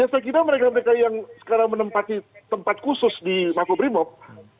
ya saya kira mereka mereka yang sekarang menempati tempat khusus di makobrimob